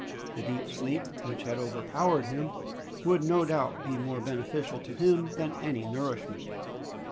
The deep sleep which had overpowered him would no doubt be more beneficial to him than any nourishment.